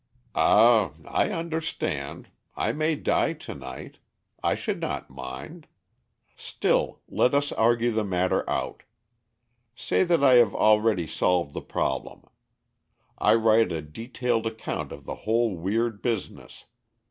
"Ah, I understand. I may die to night. I should not mind. Still, let us argue the matter out. Say that I have already solved the problem. I write a detailed account of the whole weird business.